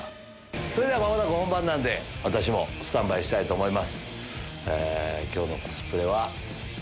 それでは間もなく本番なんで私もスタンバイしたいと思います。